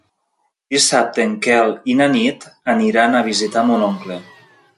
Dissabte en Quel i na Nit aniran a visitar mon oncle.